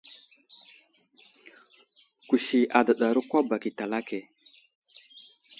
Kusi adəɗaro kwa bak i talake.